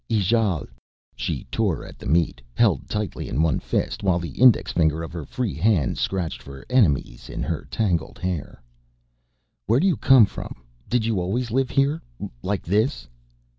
"Ijale." She tore at the meat, held tightly in one fist, while the index finger of her free hand scratched for enemies in her tangled hair. "Where do you come from? Did you always live here like this?"